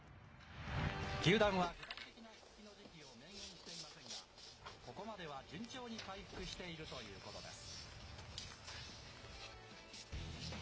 球団は具体的な復帰の時期を明言していませんが、ここまでは順調に回復しているということです。